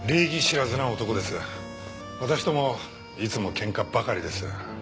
私ともいつも喧嘩ばかりです。